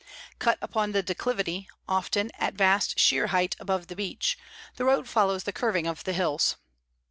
Cut upon the declivity, often at vast sheer height above the beach, the road follows the curving of the hills.